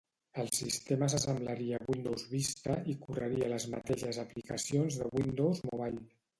El sistema se semblaria a Windows Vista i correria les mateixes aplicacions de Windows Mobile.